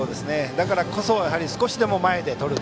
だからこそ少しでも前でとる。